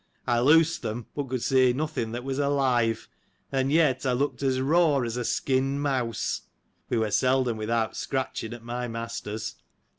I loosed them, but could see nothing that was alive ; and yet, I looked as raw as a skinned mouse. (We were seldom without scratching at my masters.)